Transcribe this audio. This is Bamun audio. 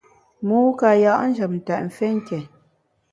Mû ka ya’ njem tèt mfé nké.